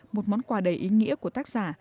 một món quà đầy ý nghĩa của tác giả